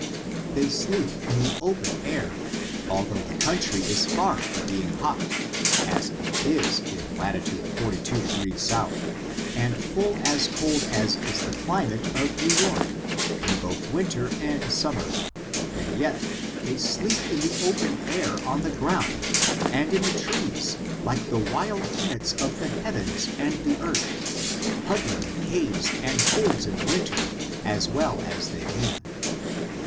They sleep in the open air, although the country is far from being hot, as it is in lat. 42^ south, and full as cold as is the climate of liew York, in both winter and summer; and yet they sleep in the open air on the ground, and in the trees, like the wild tenants of the heavens and the earth, huddling in caves and holes in the winter, as well as they can.